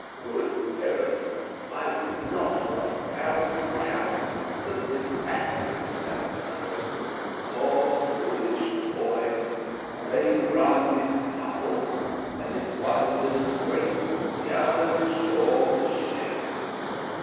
Good heavens! I would not for a thousand pounds that this accident had occurred. Poor foolish boys they run in couples, and if one's in a scrape the other is sure to share it.